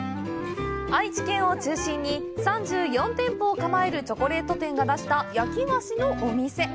愛知県を中心に３４店舗を構えるチョコレート店が出した焼き菓子のお店。